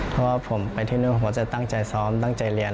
เพราะว่าผมไปที่นู่นผมจะตั้งใจซ้อมตั้งใจเรียน